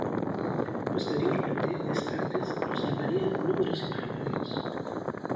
Posteriormente Descartes los llamaría números imaginarios.